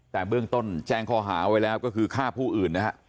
แต่เบื้องต้นแจ้งข้อหาไว้แล้วก็คือฆ่าผู้อื่นนะฮะ